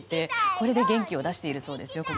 これで元気を出しているそうです。